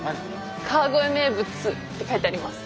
「川越名物」って書いてあります。